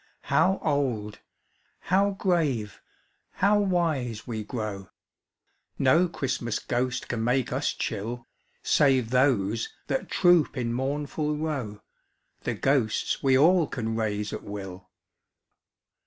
How old, how grave, how wise we grow! No Christmas ghost can make us chill, Save those that troop in mournful row, The ghosts we all can raise at will!